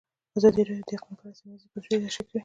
ازادي راډیو د اقلیم په اړه سیمه ییزې پروژې تشریح کړې.